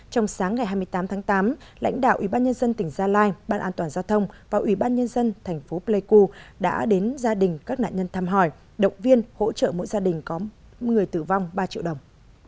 trong sáng ngày hai mươi tám tháng tám lãnh đạo ubnd tỉnh gia lai ban an toàn giao thông và ubnd thành phố pleiku đã đến gia đình các nạn nhân thăm hỏi động viên hỗ trợ mỗi gia đình có một mươi người tử vong ba triệu đồng